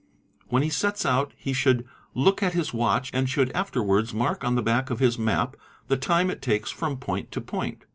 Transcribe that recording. When he sets out he should look at his watch and should afterwards mark on the back of his map the time it takes from point to point.